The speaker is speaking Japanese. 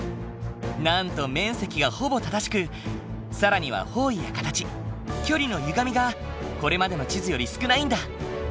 なんと面積がほぼ正しく更には方位や形距離のゆがみがこれまでの地図より少ないんだ。